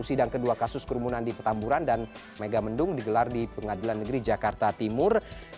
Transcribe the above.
sidang kedua kasus kerumunan di petamburan dan megamendung digelar di pengadilan negeri jakarta timur